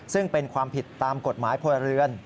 ซึ่งเป็นความผิดตามกฎหมายพลเรือน